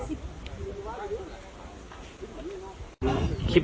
สุดท้ายเมื่อเวลาสุดท้ายเมื่อเวลาสุดท้าย